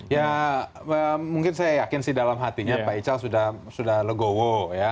ya mungkin saya yakin sih dalam hatinya pak ical sudah legowo ya